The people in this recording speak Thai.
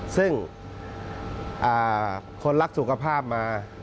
ซึ่งคนรักสุขภาพมา